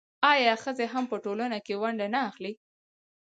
آیا ښځې هم په ټولنه کې ونډه نه اخلي؟